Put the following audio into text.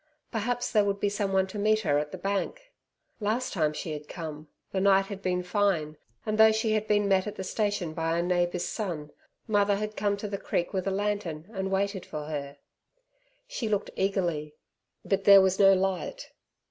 Perhaps there would be someone to meet her at the bank! Last time she had come, the night had been fine, and though she had been met at the station by a neighbour's son, mother had come to the creek with a lantern and waited for her. She looked eagerly, but there was no light.